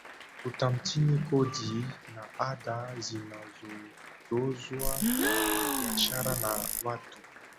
Kutathmini kodi na ada zinazotozwa kwa biashara na watu